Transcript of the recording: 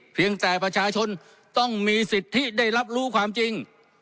เพียงแต่ประชาชนต้องมีสิทธิได้รับรู้ความจริง